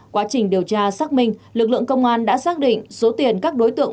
quá trình điều tra xác minh lực lượng công an đã xác định số tiền các đối tượng